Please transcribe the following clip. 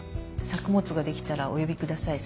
作物ができたらお呼びください。